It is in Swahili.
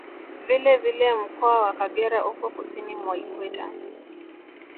Vile vile mkoa wa Kagera upo Kusini mwa Ikweta